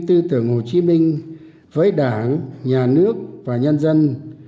tư tưởng hồ chí minh với đảng nhà nước và nhân dân